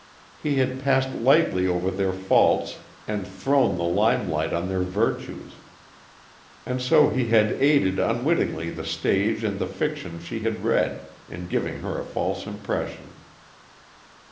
He had passed lightly over their faults and thrown the limelight on their virtues; and so he had aided unwittingly the stage and the fiction she had read, in giving her a false impression.